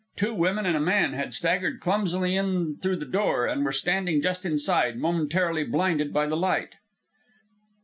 Two women and a man had staggered clumsily in through the door, and were standing just inside, momentarily blinded by the light.